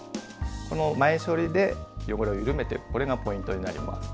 この前処理で汚れを緩めておくこれがポイントになります。